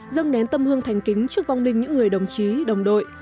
dâng nén tâm hương thành kính trước vong linh những người đồng chí đồng đội